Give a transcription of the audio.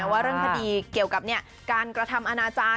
ว่าเรื่องคดีเกี่ยวกับการกระทำอนาจารย